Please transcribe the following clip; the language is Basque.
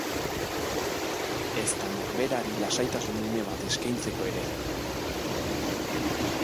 Ezta norberari lasaitasun une bat eskaintzeko ere.